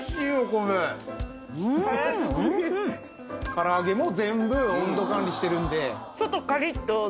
から揚げも全部温度管理してるんで。